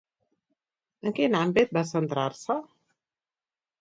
En quin àmbit va centrar-se?